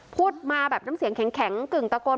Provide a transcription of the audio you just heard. พูดมาแบบน้ำเสียงแข็งกึ่งตะโกน